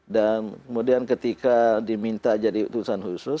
dan kemudian ketika diminta jadi utusan khusus